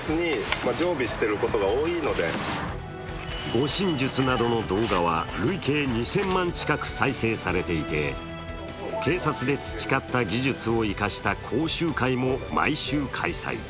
護身術などの動画は、累計２０００万近く再生されていて、警察で培った技術を生かした講習会も毎週開催。